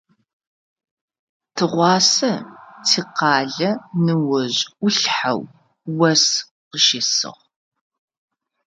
Тыгъуасэ тикъалэ ныожъ Ӏулъхьэу ос къыщесыгъ.